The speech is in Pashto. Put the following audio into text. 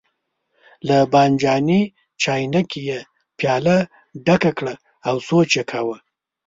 له بانجاني چاینکې یې پیاله ډکه کړه او سوچ یې کاوه.